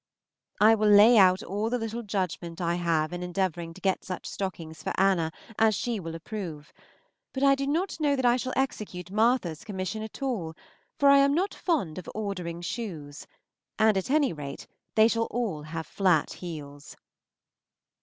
I will lay out all the little judgment I have in endeavoring to get such stockings for Anna as she will approve; but I do not know that I shall execute Martha's commission at all, for I am not fond of ordering shoes; and, at any rate, they shall all have flat heels.